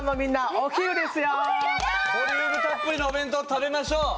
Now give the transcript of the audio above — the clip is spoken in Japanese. ボリュームたっぷりのお弁当食べましょう。